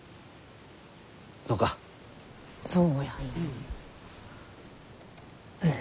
そうやねん。